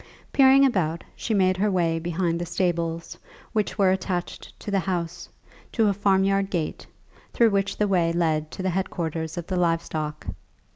Peering about, she made her way behind the stables, which were attached to the house, to a farmyard gate, through which the way led to the head quarters of the live stock.